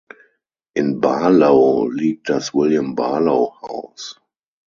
In Barlow liegt das William Barlow House.